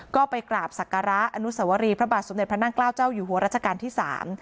ก็ไปกราบศักราอานุษวรีบรรตสมเดชน์พระนั้นเกล้าเจ้าหญิวหัวรัชการที่สาม